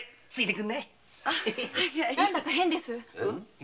なんだか変です。